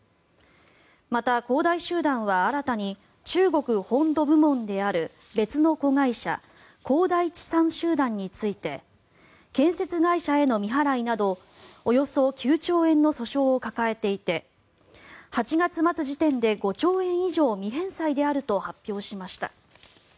また、恒大集団は新たに中国本土部門である別の子会社恒大地産集団について建設会社への未払いなどおよそ９兆円の訴訟を抱えていて８月末時点で５兆円未返済であると発表しました。